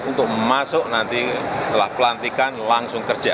untuk masuk nanti setelah pelantikan langsung kerja